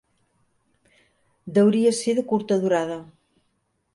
Deuria ser de curta durada.